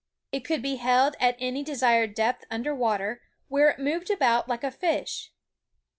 It could be held at any desired depth under water, where it moved about like a fish.